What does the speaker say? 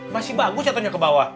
masih bagus jatuhnya ke bawah